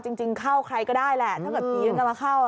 จริงเข้าใครก็ได้แหละถ้าเกียรติกำลังเข้า